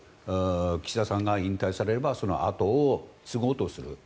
岸田さんが引退されればそのあとを継ごうとする。